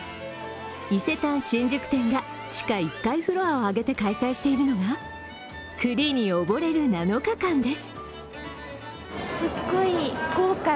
伊勢丹新宿店が地下１階フロアをあげて開催しているのが「栗」に溺れる７日間です。